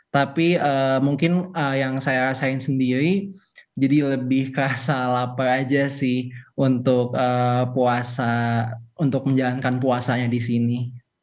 tapi mungkin yang saya rasain sendiri jadi lebih kerasa lapar aja sih untuk puasa untuk menjalankan puasanya di sini